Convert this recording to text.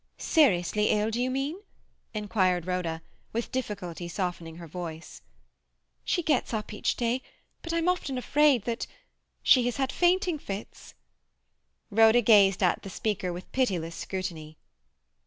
"Seriously ill, do you mean?" inquired Rhoda, with difficulty softening her voice. "She gets up each day, but I'm often afraid that—She has had fainting fits—" Rhoda gazed at the speaker with pitiless scrutiny.